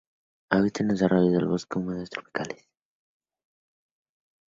Habita en los arroyos de bosques húmedos tropicales.